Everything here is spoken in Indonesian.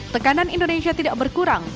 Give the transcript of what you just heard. tekanan indonesia tidak berkurang